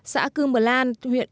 xã cư mờ lan huyện ea